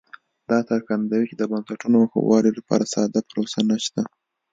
دا څرګندوي چې د بنسټونو ښه والي لپاره ساده پروسه نشته